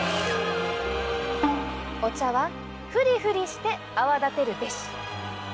お茶はフリフリして泡立てるべし。